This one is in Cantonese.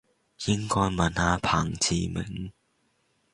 應該問下彭志銘